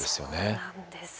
そうなんです。